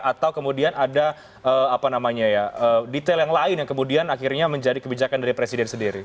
atau kemudian ada detail yang lain yang kemudian akhirnya menjadi kebijakan dari presiden sendiri